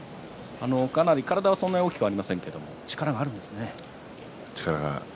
体はあまり大きくありませんが力があるんですね。